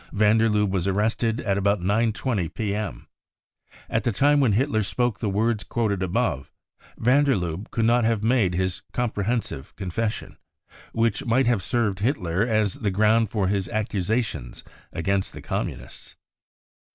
Van der Lubbe was arrested at about 9.20 p.m. At the time when Hitler spoke the words quoted above, van der Lubbe could not have made his " comprehensive confession " which might have served Hitler as the ground for his accusations against the Communists.